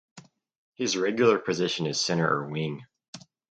His regular position is centre or wing.